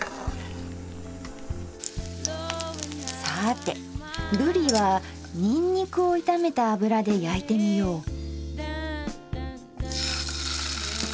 さあてぶりはニンニクを炒めた油で焼いてみよう。